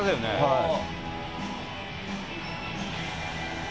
はい。